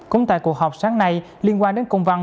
cũng tại cuộc họp sáng nay liên quan đến công văn